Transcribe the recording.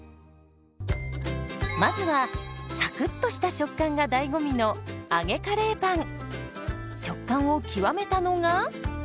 まずはサクッとした食感が醍醐味の食感を極めたのが。